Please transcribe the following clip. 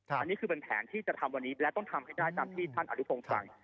อันนี้คือเป็นแผนที่จะทำวันนี้และต้องทำให้ได้ตามที่ท่านอนุพงศ์สั่ง